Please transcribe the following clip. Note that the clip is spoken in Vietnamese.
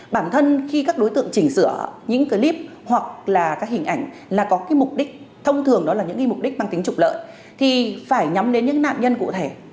bản thân khi các đối tượng chỉnh sửa những clip hoặc là các hình ảnh là có cái mục đích thông thường đó là những mục đích mang tính trục lợi thì phải nhắm đến những nạn nhân cụ thể